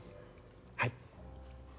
はい。